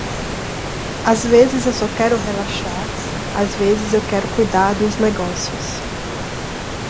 Às vezes eu só quero relaxar? às vezes eu quero cuidar dos negócios.